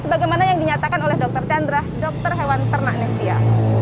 sebagai mana yang dinyatakan oleh dokter chandra dokter hewan ternak nektia